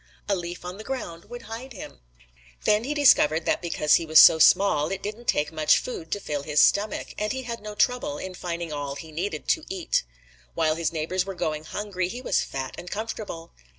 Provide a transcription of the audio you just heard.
A leaf on the ground would hide him. "Then he discovered that because he was so very small, it didn't take much food to fill his stomach, and he had no trouble in finding all he needed to eat. While his neighbors were going hungry, he was fat and comfortable.